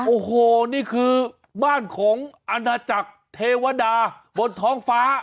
โอ้โหนี่คือบ้านของอาณาจักรเทวดาบนท้องฟ้า